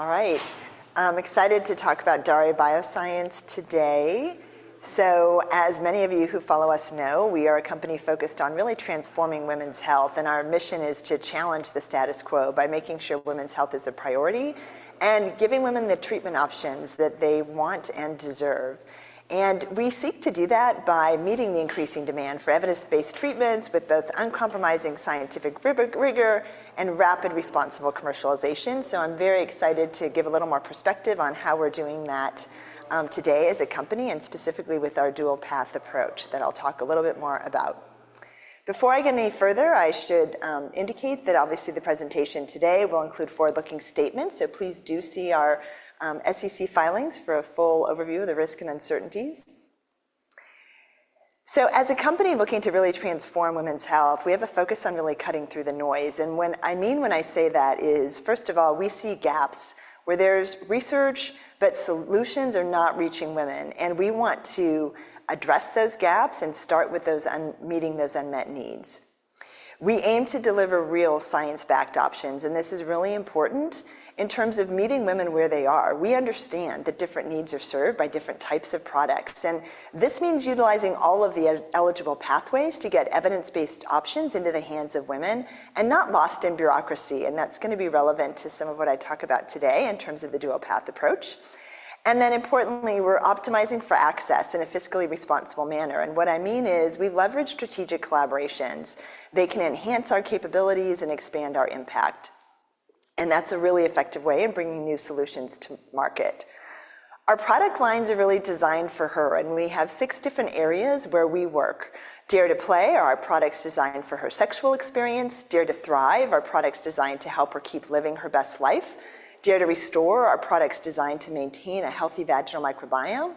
All right. I'm excited to talk about Daré Bioscience today. As many of you who follow us know, we are a company focused on really transforming women's health, and our mission is to challenge the status quo by making sure women's health is a priority and giving women the treatment options that they want and deserve. We seek to do that by meeting the increasing demand for evidence-based treatments with both uncompromising scientific rigor and rapid, responsible commercialization. I'm very excited to give a little more perspective on how we're doing that today as a company, and specifically with our dual-path approach that I'll talk a little bit more about. Before I get any further, I should indicate that, obviously, the presentation today will include forward-looking statements, so please do see our SEC filings for a full overview of the risks and uncertainties. As a company looking to really transform women's health, we have a focus on really cutting through the noise. What I mean when I say that is, first of all, we see gaps where there's research, but solutions are not reaching women. We want to address those gaps and start with meeting those unmet needs. We aim to deliver real science-backed options, and this is really important in terms of meeting women where they are. We understand that different needs are served by different types of products, and this means utilizing all of the eligible pathways to get evidence-based options into the hands of women and not lost in bureaucracy. That's going to be relevant to some of what I talk about today in terms of the dual-path approach. Importantly, we're optimizing for access in a fiscally responsible manner. What I mean is we leverage strategic collaborations. They can enhance our capabilities and expand our impact. That's a really effective way of bringing new solutions to market. Our product lines are really designed for her, and we have six different areas where we work. Dare to Play are our products designed for her sexual experience. Dare to Thrive are our products designed to help her keep living her best life. Dare to Restore are our products designed to maintain a healthy vaginal microbiome.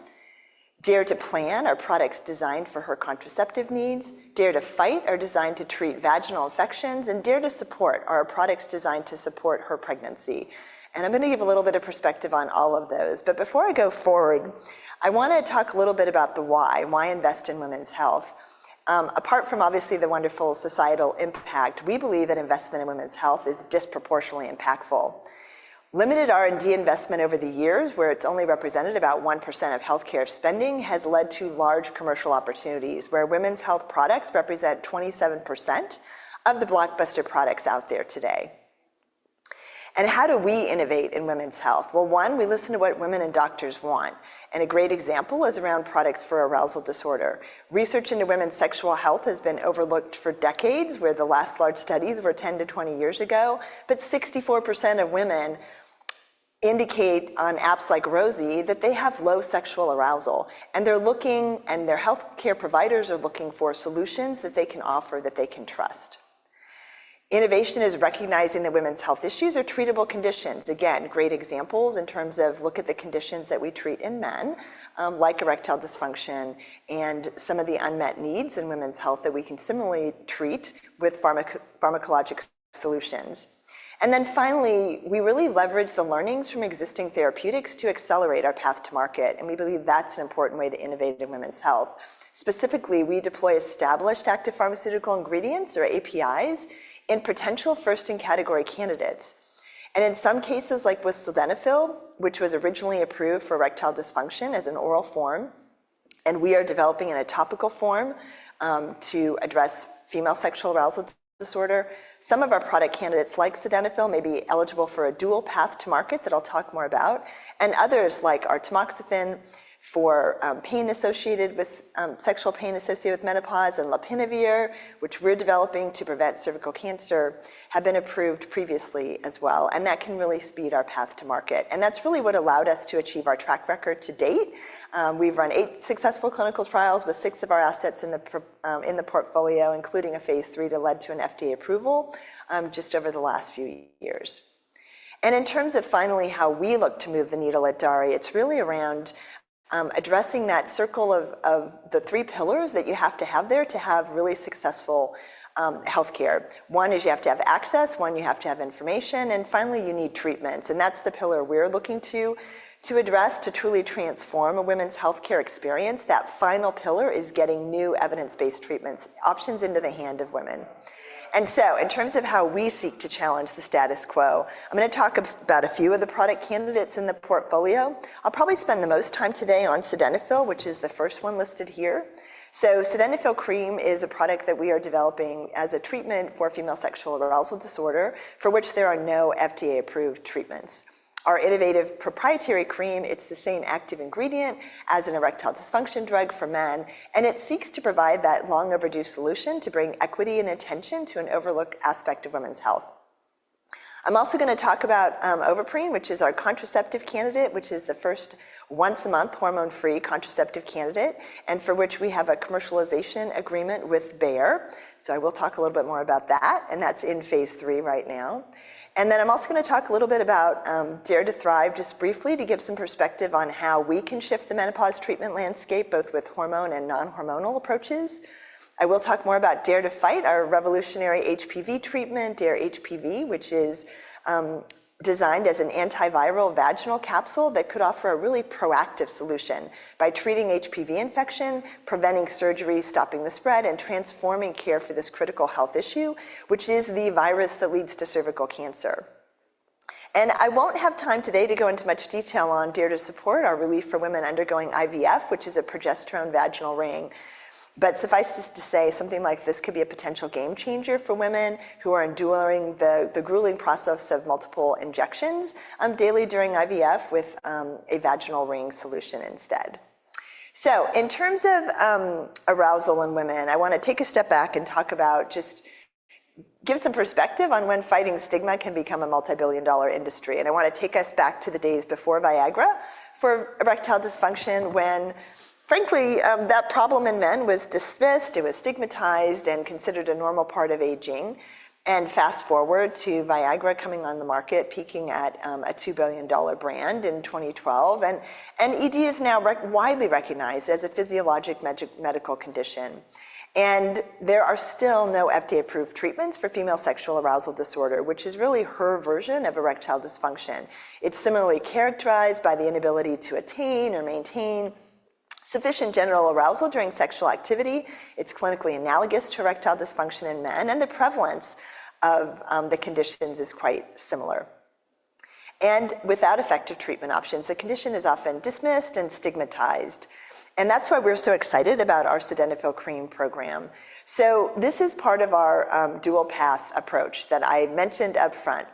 Dare to Plan are our products designed for her contraceptive needs. Dare to FIGHT are designed to treat vaginal infections. DareE to Support are our products designed to support her pregnancy. I'm going to give a little bit of perspective on all of those. Before I go forward, I want to talk a little bit about the why, why invest in women's health. Apart from, obviously, the wonderful societal impact, we believe that investment in women's health is disproportionately impactful. Limited R&D investment over the years, where it's only represented about 1% of healthcare spending, has led to large commercial opportunities, where women's health products represent 27% of the blockbuster products out there today. How do we innovate in women's health? One, we listen to what women and doctors want. A great example is around products for arousal disorder. Research into women's sexual health has been overlooked for decades, where the last large studies were 10 to 20 years ago. 64% of women indicate on apps like Rosie that they have low sexual arousal. They're looking, and their healthcare providers are looking for solutions that they can offer that they can trust. Innovation is recognizing that women's health issues are treatable conditions. Again, great examples in terms of look at the conditions that we treat in men, like erectile dysfunction and some of the unmet needs in women's health that we can similarly treat with pharmacologic solutions. Finally, we really leverage the learnings from existing therapeutics to accelerate our path to market. We believe that's an important way to innovate in women's health. Specifically, we deploy established active pharmaceutical ingredients, or APIs, in potential first-in-category candidates. In some cases, like with sildenafil, which was originally approved for erectile dysfunction as an oral form, we are developing in a topical form to address female sexual arousal disorder. Some of our product candidates, like sildenafil, may be eligible for a dual-path to market that I'll talk more about. Others, like our tamoxifen for pain associated with sexual pain associated with menopause and lopinavir, which we're developing to prevent cervical cancer, have been approved previously as well. That can really speed our path to market. That's really what allowed us to achieve our track record to date. We've run eight successful clinical trials with six of our assets in the portfolio, including a phase three that led to an FDA approval just over the last few years. In terms of, finally, how we look to move the needle at Daré, it's really around addressing that circle of the three pillars that you have to have there to have really successful healthcare. One is you have to have access. One, you have to have information. Finally, you need treatments. That is the pillar we are looking to address to truly transform a women's healthcare experience. That final pillar is getting new evidence-based treatment options into the hand of women. In terms of how we seek to challenge the status quo, I am going to talk about a few of the product candidates in the portfolio. I will probably spend the most time today on sildenafil, which is the first one listed here. Sildenafil cream is a product that we are developing as a treatment for female sexual arousal disorder, for which there are no FDA-approved treatments. Our innovative proprietary cream, it is the same active ingredient as an erectile dysfunction drug for men. It seeks to provide that long-overdue solution to bring equity and attention to an overlooked aspect of women's health. I'm also going to talk about Ovaprene, which is our contraceptive candidate, which is the first once-a-month hormone-free contraceptive candidate, and for which we have a commercialization agreement with Bayer. I will talk a little bit more about that. That's in phase 3 right now. I'm also going to talk a little bit about Dare to Thrive, just briefly, to give some perspective on how we can shift the menopause treatment landscape, both with hormone and non-hormonal approaches. I will talk more about Dare to Fight our revolutionary HPV treatment, Dare HPV, which is designed as an antiviral vaginal capsule that could offer a really proactive solution by treating HPV infection, preventing surgery, stopping the spread, and transforming care for this critical health issue, which is the virus that leads to cervical cancer. I won't have time today to go into much detail on Dare to Support, our relief for women undergoing IVF, which is a progesterone vaginal ring. Suffice it to say, something like this could be a potential game changer for women who are enduring the grueling process of multiple injections daily during IVF with a vaginal ring solution instead. In terms of arousal in women, I want to take a step back and just give some perspective on when fighting stigma can become a multi-billion dollar industry. I want to take us back to the days before Viagra for erectile dysfunction, when, frankly, that problem in men was dismissed. It was stigmatized and considered a normal part of aging. Fast forward to Viagra coming on the market, peaking at a $2 billion brand in 2012. ED is now widely recognized as a physiologic medical condition. There are still no FDA-approved treatments for female sexual arousal disorder, which is really her version of erectile dysfunction. It is similarly characterized by the inability to attain or maintain sufficient genital arousal during sexual activity. It is clinically analogous to erectile dysfunction in men. The prevalence of the conditions is quite similar. Without effective treatment options, the condition is often dismissed and stigmatized. That is why we are so excited about our sildenafil cream program. This is part of our dual-path approach that I mentioned upfront.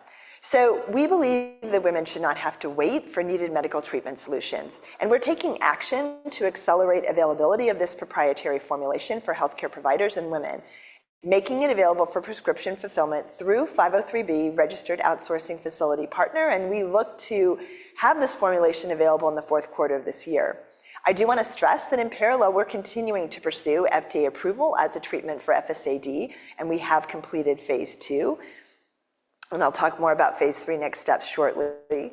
We believe that women should not have to wait for needed medical treatment solutions. We are taking action to accelerate availability of this proprietary formulation for healthcare providers and women, making it available for prescription fulfillment through 503(b) registered outsourcing facility partner. We look to have this formulation available in the fourth quarter of this year. I do want to stress that, in parallel, we're continuing to pursue FDA approval as a treatment for FSAD, and we have completed phase two. I'll talk more about phase three next steps shortly.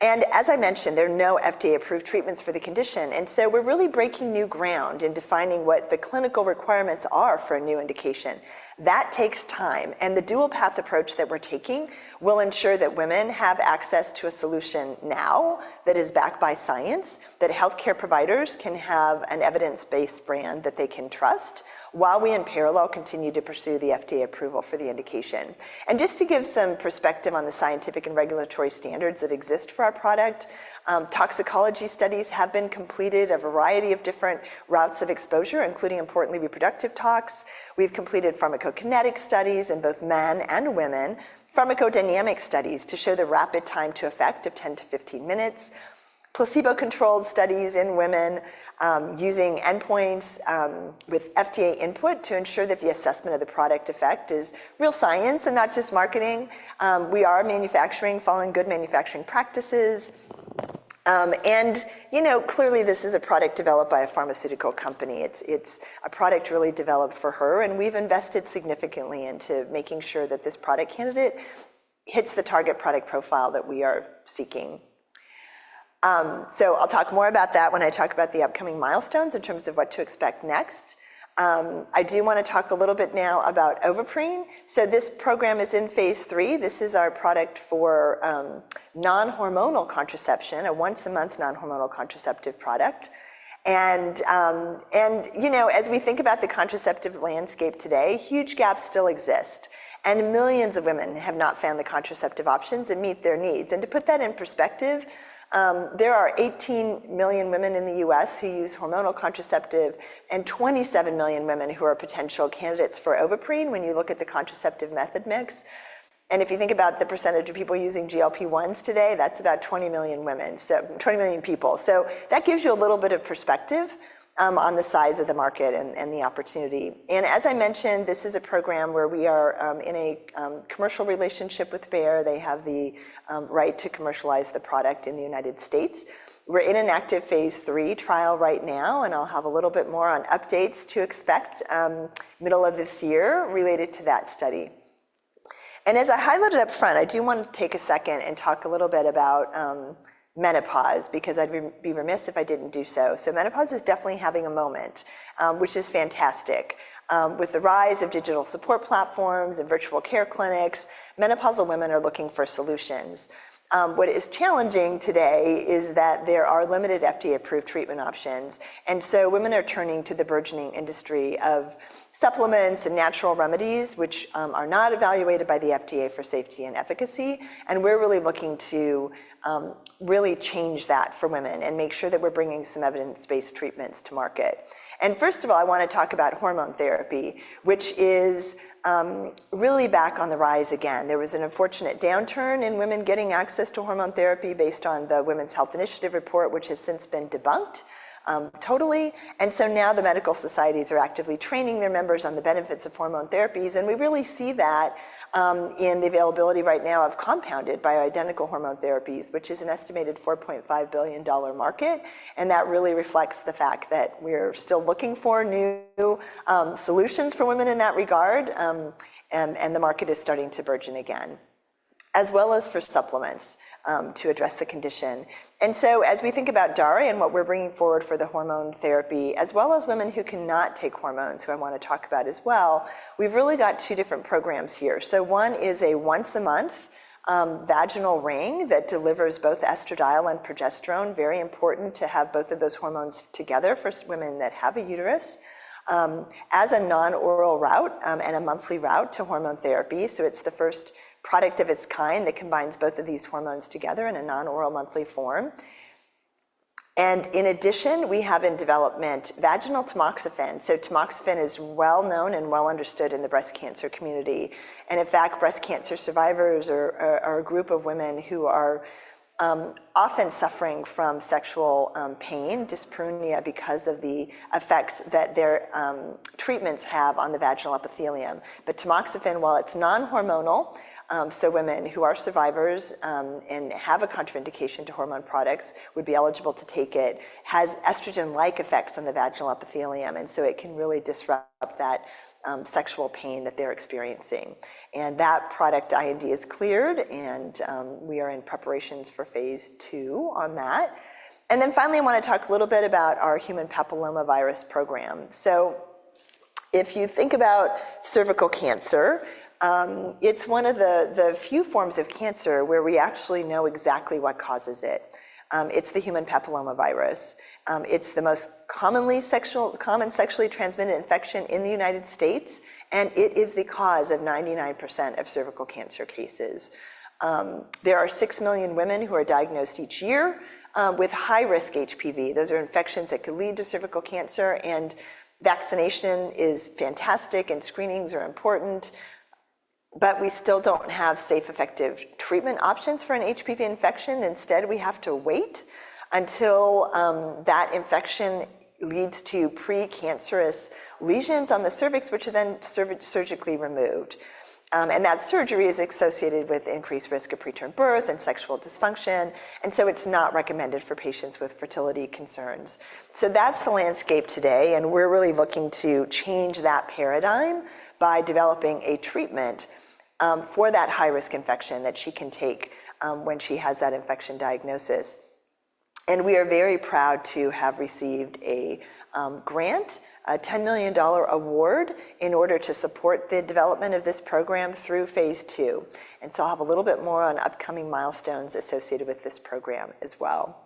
As I mentioned, there are no FDA-approved treatments for the condition. We are really breaking new ground in defining what the clinical requirements are for a new indication. That takes time. The dual-path approach that we're taking will ensure that women have access to a solution now that is backed by science, that healthcare providers can have an evidence-based brand that they can trust, while we, in parallel, continue to pursue the FDA approval for the indication. To give some perspective on the scientific and regulatory standards that exist for our product, toxicology studies have been completed a variety of different routes of exposure, including, importantly, reproductive tox. We've completed pharmacokinetic studies in both men and women, pharmacodynamic studies to show the rapid time to effect of 10-15 minutes, placebo-controlled studies in women using endpoints with FDA input to ensure that the assessment of the product effect is real science and not just marketing. We are manufacturing following good manufacturing practices. You know, clearly, this is a product developed by a pharmaceutical company. It's a product really developed for her. We've invested significantly into making sure that this product candidate hits the target product profile that we are seeking. I'll talk more about that when I talk about the upcoming milestones in terms of what to expect next. I do want to talk a little bit now about Ovaprene. This program is in phase 3. This is our product for non-hormonal contraception, a once-a-month non-hormonal contraceptive product. You know, as we think about the contraceptive landscape today, huge gaps still exist. Millions of women have not found the contraceptive options that meet their needs. To put that in perspective, there are 18 million women in the U.S. who use hormonal contraceptive and 27 million women who are potential candidates for Ovaprene when you look at the contraceptive method mix. If you think about the percentage of people using GLP-1s today, that's about 20 million women, so 20 million people. That gives you a little bit of perspective on the size of the market and the opportunity. As I mentioned, this is a program where we are in a commercial relationship with Bayer. They have the right to commercialize the product in the United States. We're in an active phase 3 trial right now. I'll have a little bit more on updates to expect middle of this year related to that study. As I highlighted upfront, I do want to take a second and talk a little bit about menopause, because I'd be remiss if I didn't do so. Menopause is definitely having a moment, which is fantastic. With the rise of digital support platforms and virtual care clinics, menopausal women are looking for solutions. What is challenging today is that there are limited FDA-approved treatment options. Women are turning to the burgeoning industry of supplements and natural remedies, which are not evaluated by the FDA for safety and efficacy. We're really looking to really change that for women and make sure that we're bringing some evidence-based treatments to market. First of all, I want to talk about hormone therapy, which is really back on the rise again. There was an unfortunate downturn in women getting access to hormone therapy based on the Women's Health Initiative report, which has since been debunked totally. Now the medical societies are actively training their members on the benefits of hormone therapies. We really see that in the availability right now of compounded bioidentical hormone therapies, which is an estimated $4.5 billion market. That really reflects the fact that we're still looking for new solutions for women in that regard. The market is starting to burgeon again, as well as for supplements to address the condition. As we think about Daré and what we're bringing forward for the hormone therapy, as well as women who cannot take hormones, who I want to talk about as well, we've really got two different programs here. One is a once-a-month vaginal ring that delivers both estradiol and progesterone, very important to have both of those hormones together for women that have a uterus, as a non-oral route and a monthly route to hormone therapy. It's the first product of its kind that combines both of these hormones together in a non-oral monthly form. In addition, we have in development vaginal tamoxifen. Tamoxifen is well known and well understood in the breast cancer community. In fact, breast cancer survivors are a group of women who are often suffering from sexual pain, dyspareunia, because of the effects that their treatments have on the vaginal epithelium. Tamoxifen, while it's non-hormonal, so women who are survivors and have a contraindication to hormone products would be eligible to take it, has estrogen-like effects on the vaginal epithelium. It can really disrupt that sexual pain that they're experiencing. That product IND is cleared. We are in preparations for phase two on that. Finally, I want to talk a little bit about our human papillomavirus program. If you think about cervical cancer, it's one of the few forms of cancer where we actually know exactly what causes it. It's the human papillomavirus. It's the most commonly sexually transmitted infection in the United States. It is the cause of 99% of cervical cancer cases. There are 6 million women who are diagnosed each year with high-risk HPV. Those are infections that could lead to cervical cancer. Vaccination is fantastic. Screenings are important. We still do not have safe, effective treatment options for an HPV infection. Instead, we have to wait until that infection leads to precancerous lesions on the cervix, which are then surgically removed. That surgery is associated with increased risk of preterm birth and sexual dysfunction. It is not recommended for patients with fertility concerns. That is the landscape today. We are really looking to change that paradigm by developing a treatment for that high-risk infection that she can take when she has that infection diagnosis. We are very proud to have received a grant, a $10 million award, in order to support the development of this program through phase two. I'll have a little bit more on upcoming milestones associated with this program as well.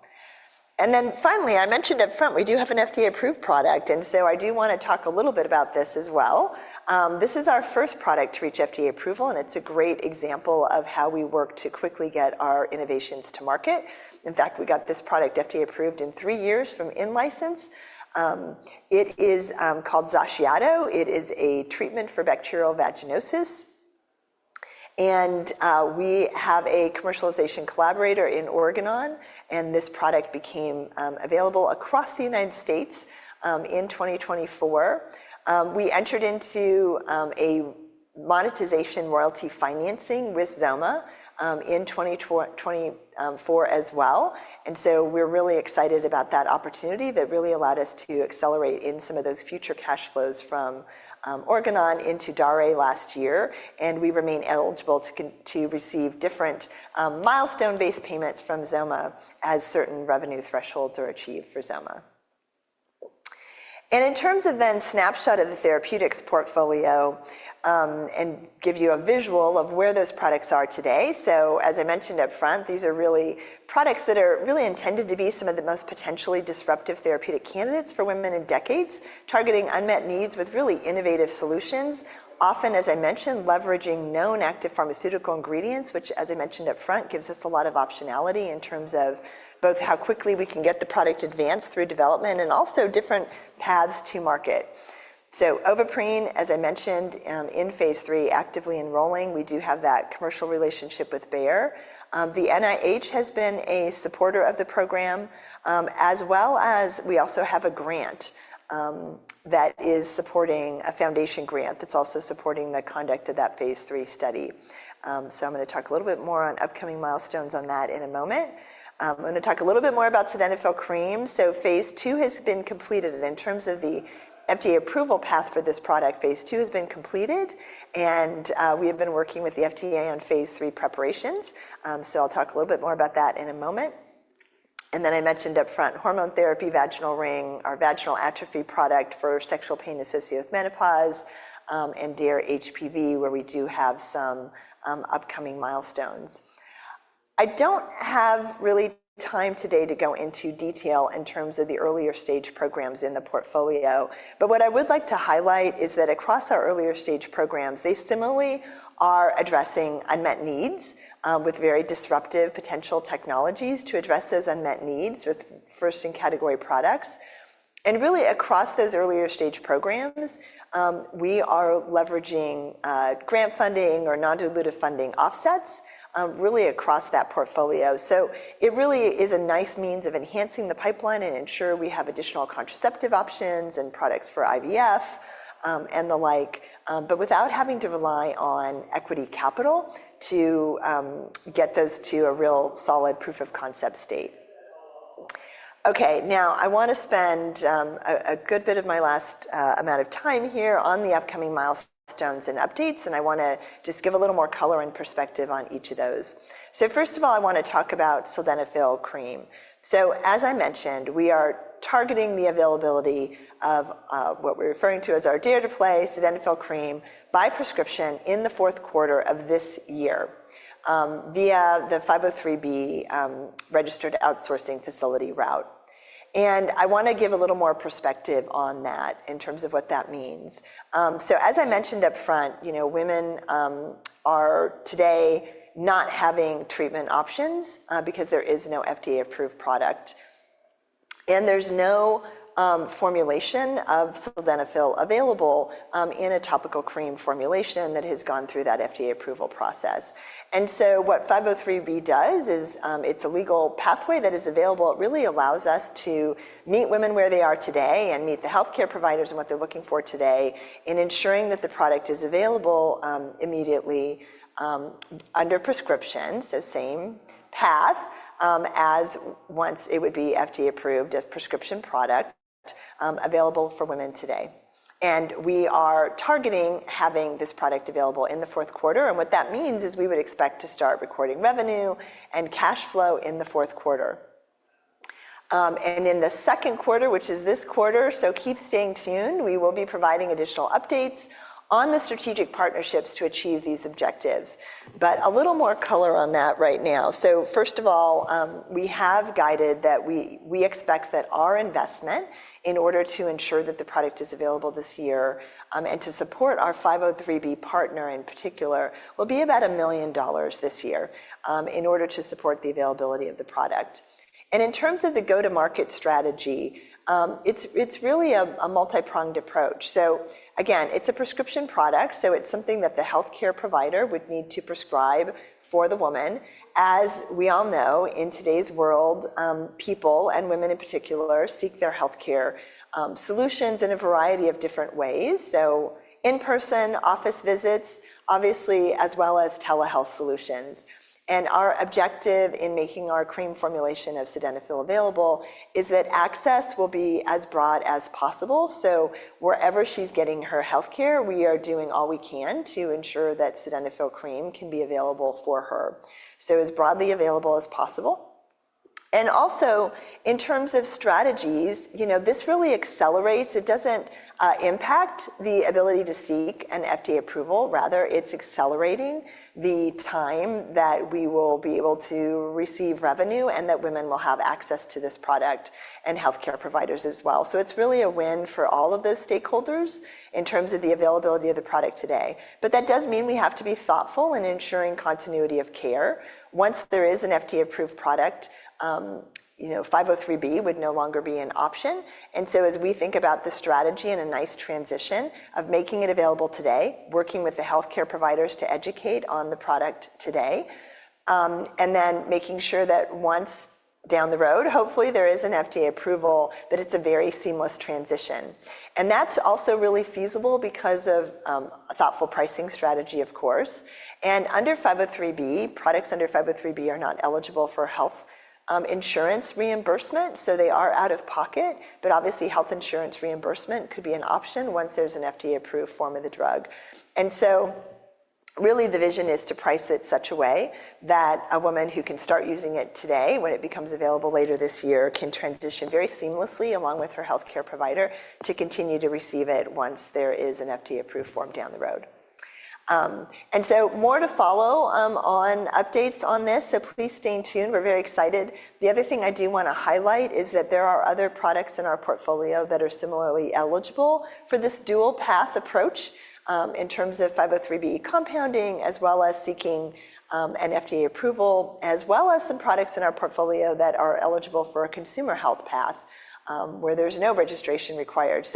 Finally, I mentioned upfront, we do have an FDA-approved product. I do want to talk a little bit about this as well. This is our first product to reach FDA approval. It's a great example of how we work to quickly get our innovations to market. In fact, we got this product FDA-approved in three years from InLicense. It is called XACIATO. It is a treatment for bacterial vaginosis. We have a commercialization collaborator in Oregon. This product became available across the United States in 2024. We entered into a monetization royalty financing with Xellia in 2024 as well. We're really excited about that opportunity that really allowed us to accelerate in some of those future cash flows from Oregon into Daré last year. We remain eligible to receive different milestone-based payments from Xellia as certain revenue thresholds are achieved for Xellia. In terms of a snapshot of the therapeutics portfolio and to give you a visual of where those products are today, as I mentioned upfront, these are really products that are really intended to be some of the most potentially disruptive therapeutic candidates for women in decades, targeting unmet needs with really innovative solutions, often, as I mentioned, leveraging known active pharmaceutical ingredients, which, as I mentioned upfront, gives us a lot of optionality in terms of both how quickly we can get the product advanced through development and also different paths to market. Ovaprene, as I mentioned, in phase three, actively enrolling. We do have that commercial relationship with Bayer. The NIH has been a supporter of the program, as well as we also have a grant that is supporting, a foundation grant that's also supporting the conduct of that phase three study. I'm going to talk a little bit more on upcoming milestones on that in a moment. I'm going to talk a little bit more about sildenafil cream. Phase two has been completed. In terms of the FDA approval path for this product, phase two has been completed. We have been working with the FDA on phase three preparations. I'll talk a little bit more about that in a moment. I mentioned upfront hormone therapy, vaginal ring, our vaginal atrophy product for sexual pain associated with menopause, and Dare HPV, where we do have some upcoming milestones. I do not have really time today to go into detail in terms of the earlier stage programs in the portfolio. What I would like to highlight is that across our earlier stage programs, they similarly are addressing unmet needs with very disruptive potential technologies to address those unmet needs with first-in-category products. Really, across those earlier stage programs, we are leveraging grant funding or non-dilutive funding offsets really across that portfolio. It really is a nice means of enhancing the pipeline and ensure we have additional contraceptive options and products for IVF and the like, but without having to rely on equity capital to get those to a real solid proof-of-concept state. Okay. Now, I want to spend a good bit of my last amount of time here on the upcoming milestones and updates. I want to just give a little more color and perspective on each of those. First of all, I want to talk about sildenafil cream. As I mentioned, we are targeting the availability of what we're referring to as our Dare to Play sildenafil cream by prescription in the fourth quarter of this year via the 503(b) registered outsourcing facility route. I want to give a little more perspective on that in terms of what that means. As I mentioned upfront, women are today not having treatment options because there is no FDA-approved product. There's no formulation of sildenafil available in a topical cream formulation that has gone through that FDA approval process. What 503(b) does is it's a legal pathway that is available. It really allows us to meet women where they are today and meet the healthcare providers and what they're looking for today in ensuring that the product is available immediately under prescription, so same path as once it would be FDA-approved, a prescription product available for women today. We are targeting having this product available in the fourth quarter. What that means is we would expect to start recording revenue and cash flow in the fourth quarter. In the second quarter, which is this quarter, so keep staying tuned. We will be providing additional updates on the strategic partnerships to achieve these objectives. A little more color on that right now. First of all, we have guided that we expect that our investment in order to ensure that the product is available this year and to support our 503(b) partner in particular will be about $1 million this year in order to support the availability of the product. In terms of the go-to-market strategy, it's really a multi-pronged approach. Again, it's a prescription product. It's something that the healthcare provider would need to prescribe for the woman. As we all know, in today's world, people and women in particular seek their healthcare solutions in a variety of different ways, in-person, office visits, obviously, as well as telehealth solutions. Our objective in making our cream formulation of sildenafil available is that access will be as broad as possible. Wherever she's getting her healthcare, we are doing all we can to ensure that sildenafil cream can be available for her, so as broadly available as possible. Also, in terms of strategies, this really accelerates. It doesn't impact the ability to seek an FDA approval. Rather, it's accelerating the time that we will be able to receive revenue and that women will have access to this product and healthcare providers as well. It's really a win for all of those stakeholders in terms of the availability of the product today. That does mean we have to be thoughtful in ensuring continuity of care. Once there is an FDA-approved product, 503(b) would no longer be an option. As we think about the strategy and a nice transition of making it available today, working with the healthcare providers to educate on the product today, and then making sure that once down the road, hopefully, there is an FDA approval, that it's a very seamless transition. That's also really feasible because of a thoughtful pricing strategy, of course. Under 503(b), products under 503(b) are not eligible for health insurance reimbursement. They are out of pocket. Obviously, health insurance reimbursement could be an option once there's an FDA-approved form of the drug. Really, the vision is to price it such a way that a woman who can start using it today when it becomes available later this year can transition very seamlessly along with her healthcare provider to continue to receive it once there is an FDA-approved form down the road. More to follow on updates on this. Please stay tuned. We're very excited. The other thing I do want to highlight is that there are other products in our portfolio that are similarly eligible for this dual-path approach in terms of 503(b) compounding, as well as seeking an FDA approval, as well as some products in our portfolio that are eligible for a consumer health path where there's no registration required.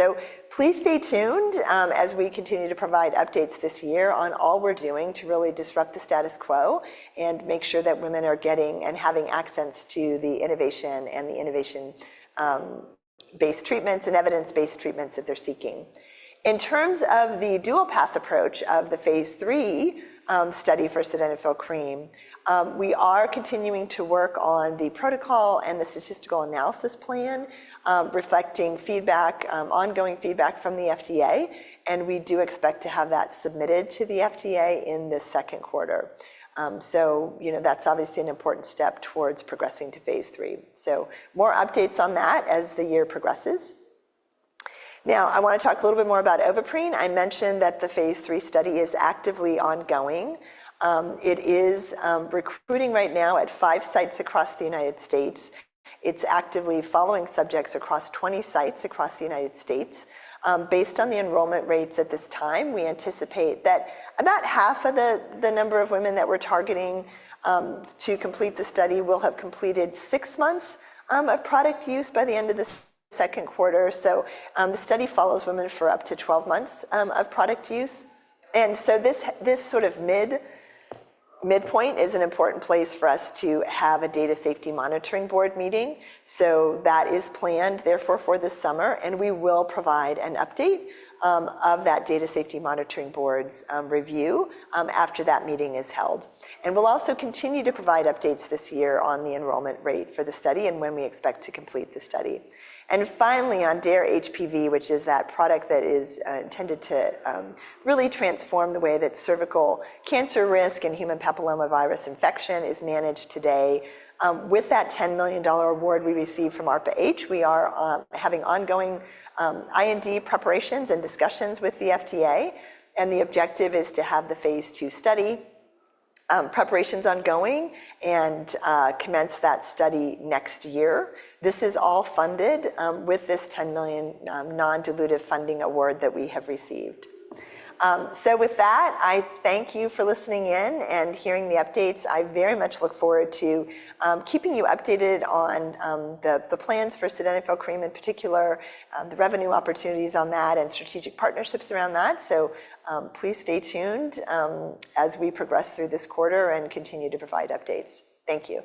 Please stay tuned as we continue to provide updates this year on all we're doing to really disrupt the status quo and make sure that women are getting and having access to the innovation and the innovation-based treatments and evidence-based treatments that they're seeking. In terms of the dual-path approach of the phase three study for sildenafil cream, we are continuing to work on the protocol and the statistical analysis plan reflecting feedback, ongoing feedback from the FDA. We do expect to have that submitted to the FDA in the second quarter. That's obviously an important step towards progressing to phase three. More updates on that as the year progresses. Now, I want to talk a little bit more about Ovaprene. I mentioned that the phase three study is actively ongoing. It is recruiting right now at five sites across the United States. It's actively following subjects across 20 sites across the United States. Based on the enrollment rates at this time, we anticipate that about half of the number of women that we're targeting to complete the study will have completed six months of product use by the end of the second quarter. The study follows women for up to 12 months of product use. This sort of midpoint is an important place for us to have a Data Safety Monitoring Board meeting. That is planned, therefore, for this summer. We will provide an update of that Data Safety Monitoring Board's review after that meeting is held. We'll also continue to provide updates this year on the enrollment rate for the study and when we expect to complete the study. Finally, on Dare HPV, which is that product that is intended to really transform the way that cervical cancer risk and human papillomavirus infection is managed today. With that $10 million award we received from ARPA-H, we are having ongoing IND preparations and discussions with the FDA. The objective is to have the phase two study preparations ongoing and commence that study next year. This is all funded with this $10 million non-dilutive funding award that we have received. I thank you for listening in and hearing the updates. I very much look forward to keeping you updated on the plans for sildenafil cream in particular, the revenue opportunities on that, and strategic partnerships around that. Please stay tuned as we progress through this quarter and continue to provide updates. Thank you.